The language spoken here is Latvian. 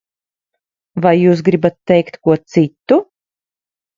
Vai jūs gribat teikt ko citu?